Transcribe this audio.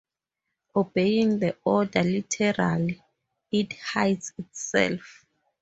Obeying the order literally, it hides itself.